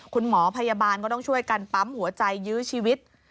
คุณหมอพยาบาลก็ต้องช่วยกันปั๊มหัวใจยื้อชีวิต